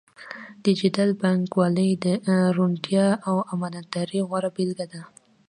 ډیجیټل بانکوالي د روڼتیا او امانتدارۍ غوره بیلګه ده.